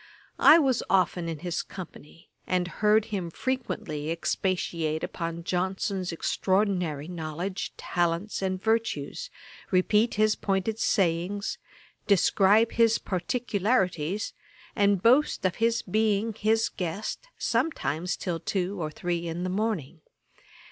I was often in his company, and heard him frequently expatiate upon Johnson's extraordinary knowledge, talents, and virtues, repeat his pointed sayings, describe his particularities, and boast of his being his guest sometimes till two or three in the morning.